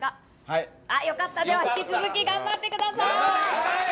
よかった、では引き続き頑張ってください。